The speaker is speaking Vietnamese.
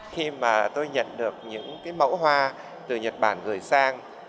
khi mà tôi nhận được những cái mẫu hoa từ nhật bản gửi sang